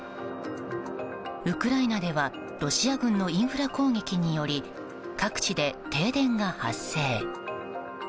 ウクライナではロシア軍のインフラ攻撃により各地で停電が発生。